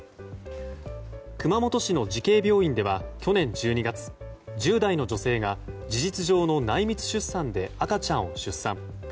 熊本市の慈恵病院では去年１２月１０代の女性が事実上の内密出産で、赤ちゃんを出産。